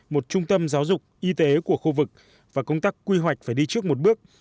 một trung tâm giáo dục y tế của khu vực và công tác quy hoạch phải đi trước một bước